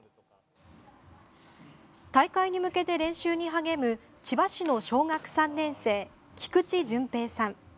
大会に向けて練習に励む千葉市の小学３年生菊池純平さん。